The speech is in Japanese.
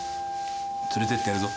連れてってやるぞ。